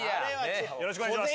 よろしくお願いします。